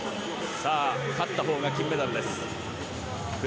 さぁ勝ったほうが金メダルです。